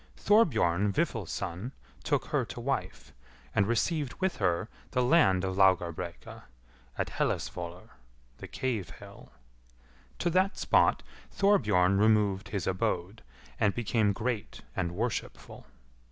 Thorbjorn Vifilsson took her to wife, and received with her the land of Laugarbrekka, at Hellisvollr (the cave hill). To that spot Thorbjorn removed his abode, and became great and worshipful.